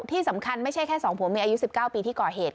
ที่สำคัญไม่ใช่แค่สองผัวเมียอายุ๑๙ปีที่ก่อเหตุ